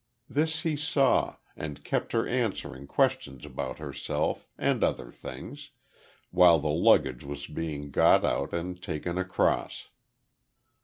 This he saw, and kept her answering questions about herself, and other things, the while the luggage was being got out and taken across.